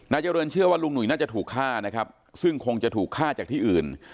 เจริญเชื่อว่าลุงหนุ่ยน่าจะถูกฆ่านะครับซึ่งคงจะถูกฆ่าจากที่อื่น